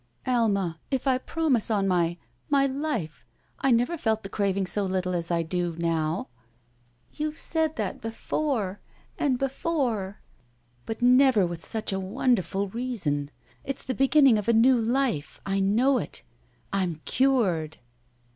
'Alma, if I promise on my — ^my life! I never felt the craving so little as I do — ^now." 28 "1 14 SHE WALKS IN BEAUTY YouVe said that before — and before." "But never with such a wonderful reason. It's the beginning of a new life. I know it. I'm cured!"